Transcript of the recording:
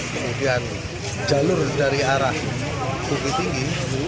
kemudian jalur dari arah bukit tinggi